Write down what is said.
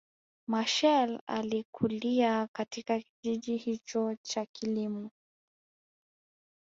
Machel alikulia katika kijiji hicho cha kilimo